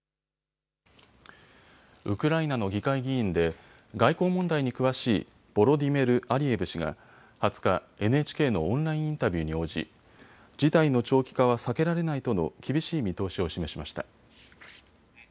ウクライナの議会議員で外交問題に詳しいボロディメル・アリエブ氏が２０日、ＮＨＫのオンラインインタビューに応じ事態の長期化は避けられないとの厳しい見通しを示しました。